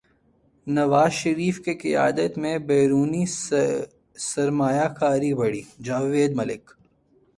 نواز شریف کی قیادت میں بیرونی سرمایہ کاری بڑھی جاوید ملک